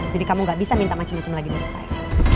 jadi kamu nggak bisa minta macem macem lagi dari saya